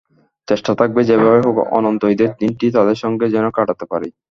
চেষ্টা থাকবে যেভাবেই হোক অন্তত ঈদের দিনটি তাঁদের সঙ্গে যেন কাটাতে পারি।